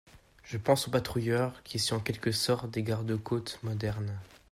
Je pense aux patrouilleurs, qui sont en quelque sorte des garde-côtes modernes.